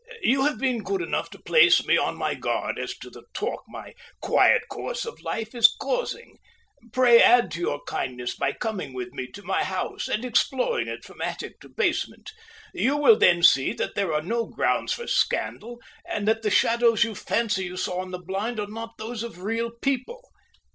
"You have been good enough to place me on my guard as to the talk my quiet course of life is causing. Pray add to your kindness by coming with me to my house and exploring it from attic to basement. You will then see that there are no grounds for scandal, and that the shadows you fancy you saw on the blind are not those of real people."